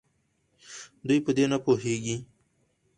دوي په دې نپوهيږي